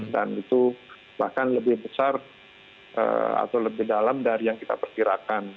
dan itu bahkan lebih besar atau lebih dalam dari yang kita perkirakan